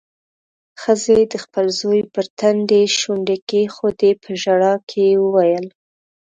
ښځې د خپل زوی پر تندي شونډې کېښودې. په ژړا کې يې وويل: